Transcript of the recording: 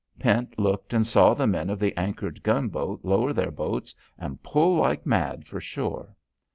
Pent looked and saw the men of the anchored gunboat lower their boats and pull like mad for shore.